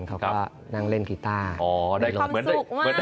เขาก็นั่งเล่นกีต้า